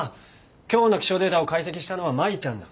今日の気象データを解析したのは舞ちゃんだ。